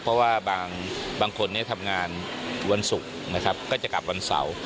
เพราะว่าบางคนทำงานวันศุกร์นะครับก็จะกลับวันเสาร์